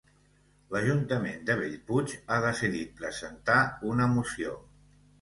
L'ajuntament de Bellpuig ha decidit presentar una moció